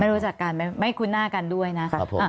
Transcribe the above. รู้จักกันไม่คุ้นหน้ากันด้วยนะครับ